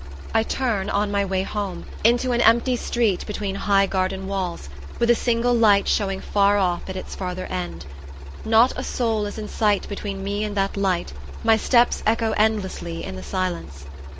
I turn, on my way home, into an empty street between high garden walls, with a single light showing far off at its farther end. Not a soul is in sight between me and that light: my steps echo endlessly in the silence.